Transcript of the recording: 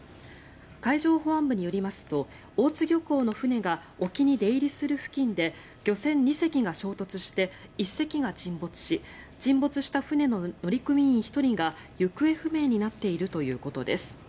海上保安部によりますと大津漁港の船が沖に出入りする付近で漁船２隻が衝突して１隻が沈没し沈没した船の乗組員が行方不明になっているということです。